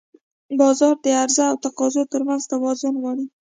بازار د عرضه او تقاضا ترمنځ توازن غواړي.